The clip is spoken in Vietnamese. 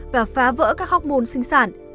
và phá vỡ các học môn sinh sản